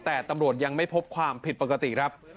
แต่ตำรวจยังไม่พบความผิดปกติครับ